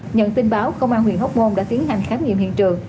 nhận tin báo công an huyện hóc môn đã tiến hành khám nghiệm hiện trường